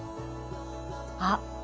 あっ！